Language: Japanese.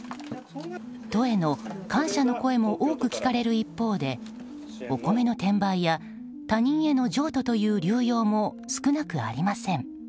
都への感謝の声も多く聞かれる一方でお米の転売や他人への譲渡という流用も少なくありません。